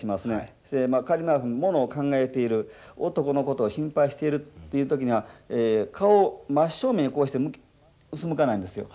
そして仮にものを考えている男のことを心配しているっていう時には顔を真っ正面にこうしてうつむかないんですよ。